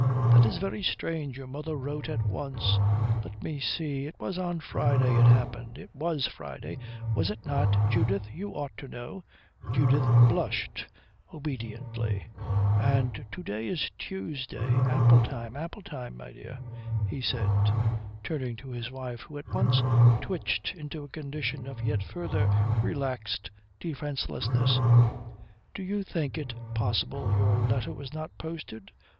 That is very strange. Your mother wrote at once. Let me see. It was on Friday it happened. It was Friday, was it not, Judith? You ought to know" Judith blushed obediently "and to day is Tuesday. Ample time. Ample time. My dear," he said, turning to his wife who at once twitched into a condition of yet further relaxed defencelessness, "do you think it possible your letter was not posted?"